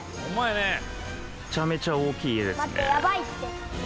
めちゃめちゃ大きい家ですね。